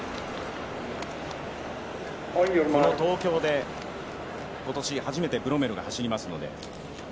この東京で今年、初めてブロメルが走ります。